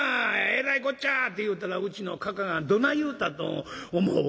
えらいこっちゃ』って言うたらうちのかかあがどない言うたと思う？